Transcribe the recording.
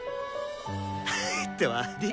ってわり！